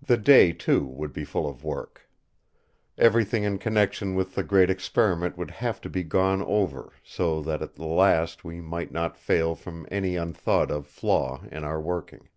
The day, too, would be full of work. Everything in connection with the Great Experiment would have to be gone over, so that at the last we might not fail from any unthought of flaw in our working.